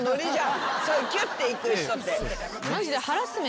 キュッていく人って。